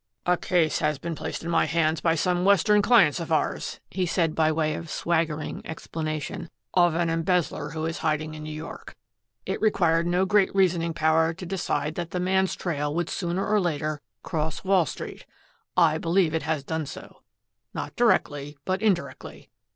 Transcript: "A case has been placed in my hands by some western clients of ours," he said by way of swaggering explanation, "of an embezzler who is hiding in New York. It required no great reasoning power to decide that the man's trail would sooner or later cross Wall Street. I believe it has done so not directly, but indirectly.